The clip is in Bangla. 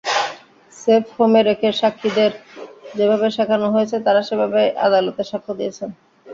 সেফহোমে রেখে সাক্ষীদের যেভাবে শেখানো হয়েছে, তাঁরা সেভাবেই আদালতে সাক্ষ্য দিয়েছেন।